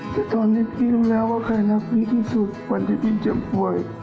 แต่ตอนนี้พี่รู้แล้วว่าใครรักพี่ที่สุดก่อนที่พี่เจ็บป่วย